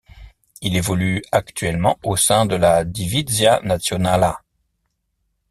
Il évolue actuellement au sein de la Divizia Naţională.